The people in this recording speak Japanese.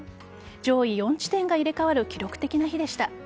上位４地点が入れ替わる記録的な日でした。